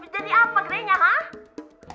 jadi apa kerennya hah